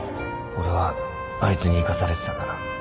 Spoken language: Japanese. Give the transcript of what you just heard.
俺はあいつに生かされてたんだな